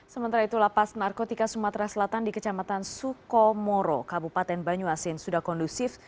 sementara itu lapas narkotika sumatera selatan di kecamatan sukomoro kabupaten banyuasin sudah kondusif